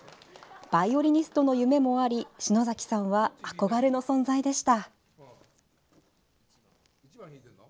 バイオリニストの夢もあり篠崎さんは憧れの存在でした。